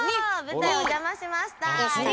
舞台お邪魔しました。